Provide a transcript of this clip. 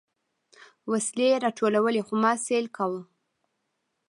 وسلې يې راټولولې خو ما سيل کاوه.